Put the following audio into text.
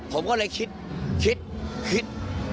ผมก็เลยคิดคิด